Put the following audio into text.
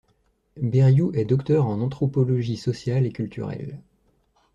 Bériou est docteur en anthropologie sociale et culturelle.